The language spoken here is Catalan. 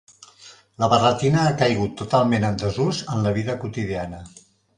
La barretina ha caigut totalment en desús en la vida quotidiana.